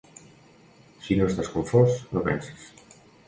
Si no estàs confós, no penses.